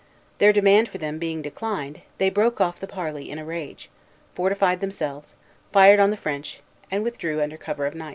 Their demand for them being declined, they broke off the parley in a rage, fortified themselves, fired on the French, and withdrew under cover of night.